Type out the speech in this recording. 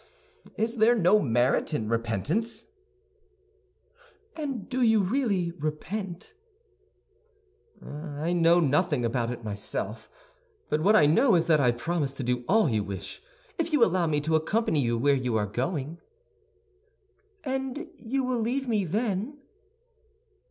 "Is there no merit in repentance?" "And do you really repent?" "I know nothing about it myself. But what I know is that I promise to do all you wish if you allow me to accompany you where you are going." "And you will leave me then?"